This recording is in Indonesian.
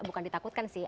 bukan ditakutkan sih